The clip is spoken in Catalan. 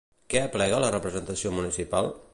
Què aplega la representació municipal?